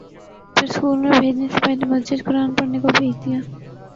پھر اسکول میں بھیجنے سے پہلے مسجد قرآن پڑھنے کو بھیج دیا